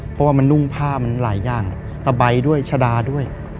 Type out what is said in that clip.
เพราะว่ามันนุ่งผ้ามันหลายอย่างตะใบด้วยชะดาด้วย